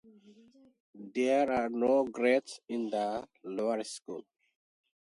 There are no grades in the lower school.